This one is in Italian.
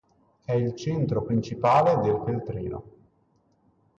È il centro principale del Feltrino.